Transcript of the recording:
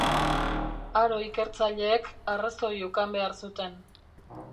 Aro ikertzaileek arrazoi ukan behar zuten.